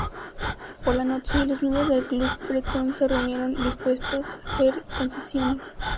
Por la noche, los miembros del Club bretón se reunieron, dispuestos a hacer concesiones.